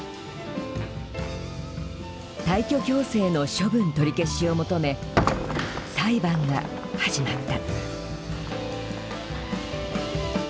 退去強制の処分取り消しを求め裁判が始まった。